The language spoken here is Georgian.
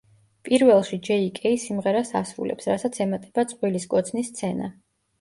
პირველში ჯეი კეი სიმღერას ასრულებს, რასაც ემატება წყვილის კოცნის სცენა.